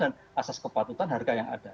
dan asas kepatutan harga yang ada